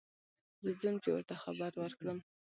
زه ځم چې ور ته خبر ور کړم.